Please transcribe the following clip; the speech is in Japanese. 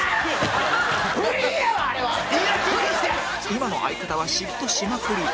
今の相方は嫉妬しまくり